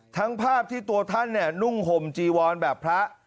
ทั้งภาพที่ตัวท่านเนี่ยนุ่งห่มจีวรแบบพระ